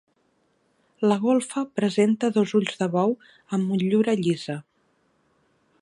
La golfa presenta dos ulls de bou amb motllura llisa.